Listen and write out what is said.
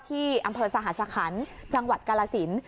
ที่อำเภอสหสคัญจังหวัดกาลสิน